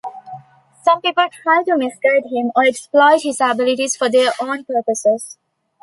Some people try to misguide him or exploit his abilities for their own purposes.